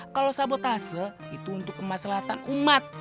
kalau sabotase itu untuk kemaslahan umat